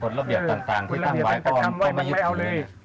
กฎระเบียบต่างที่ตั้งไว้ก็ไม่ยิบทุกอย่างนั้น